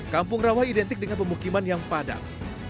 kampung rawa identik dengan pemukiman yang padat